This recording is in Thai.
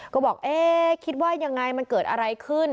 ก็บอกเอ๊ะคิดว่ายังไงมันเกิดอะไรขึ้น